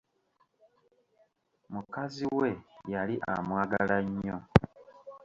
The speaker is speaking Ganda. Mukazi we yali amwagala nnyo.